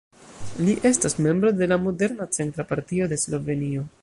Li estas membro de la moderna centra partio de Slovenio.